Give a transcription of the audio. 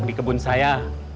di kebun saya